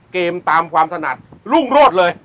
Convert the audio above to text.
เกมตามความถนัดรุ่งโรดเลย